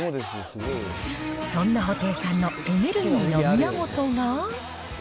そんな布袋さんのエネルギーの源が。